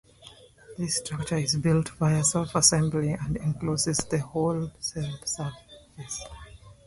This structure is built via self-assembly and encloses the whole cell surface.